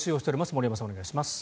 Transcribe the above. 森山さん、お願いします。